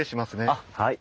あっはい。